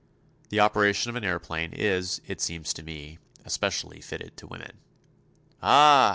The operation of an aëroplane is, it seems to me, especially fitted to women." "Ah!"